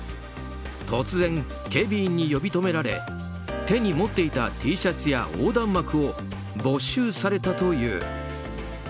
突然、警備員に呼び止められ手に持っていたＴシャツや横断幕を没収されたという。